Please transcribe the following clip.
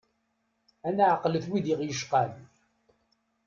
Ad neɛqlet wid i ɣ-yecqan.